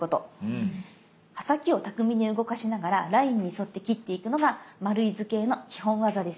刃先を巧みに動かしながらラインに沿って切っていくのが丸い図形の基本技です。